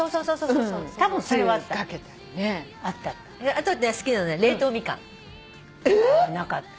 あと好きなの冷凍みかん。なかった。